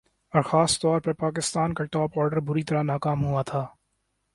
اور خاص طور پر پاکستان کا ٹاپ آرڈر بری طرح ناکام ہوا تھا